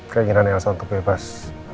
keinginan elsa untuk bebas